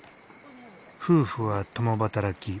夫婦は共働き。